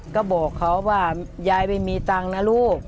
ก็บอกเขาว่ายายไม่มีตังค์นะลูก